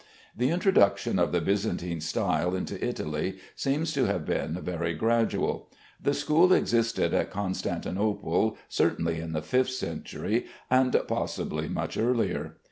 The introduction of the Byzantine style into Italy seems to have been very gradual. The school existed at Constantinople certainly in the fifth century, and possibly much earlier.